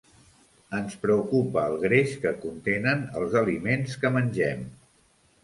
Ens preocupa el greix que contenen els aliments que mengem.